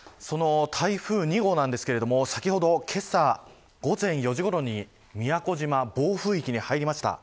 その台風２号なんですけれども先ほど、けさ午前４時ごろに宮古島、暴風域に入りました。